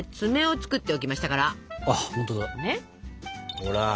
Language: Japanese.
ほら。